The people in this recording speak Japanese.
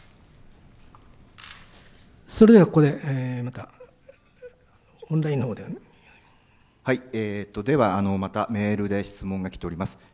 それではここでまたオンラインでは、またメールで質問が来ております。